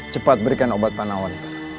cepat berikan obat penawar